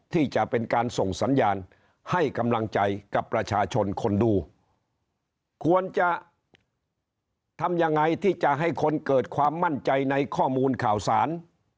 ที่จะเป็นการส่งสัญญาณให้กำลังใจกับประชาชนคนดูควรจะทำยังไงที่จะให้คนเกิดความมั่นใจในข้อมูลข่าวสาร